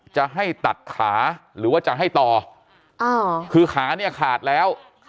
จะให้ตัดขาหรือว่าจะให้ต่อคือขาเนี่ยขาดแล้ว